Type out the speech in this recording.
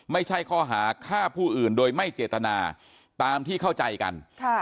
ไม่ใช่ข้อหาฆ่าผู้อื่นโดยไม่เจตนาตามที่เข้าใจกัน